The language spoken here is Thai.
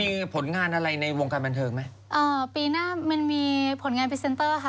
มีผลงานอะไรในวงการบันเทิงไหมเอ่อปีหน้ามันมีผลงานพรีเซนเตอร์ค่ะ